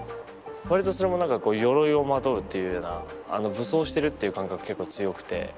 わりとそれもなんかこう鎧をまとうっていうような武装してるっていう感覚結構強くて。